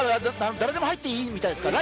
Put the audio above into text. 誰でも入ってもいいみたいですから。